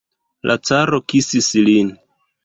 La caro kisis lin.